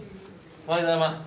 おはようございます。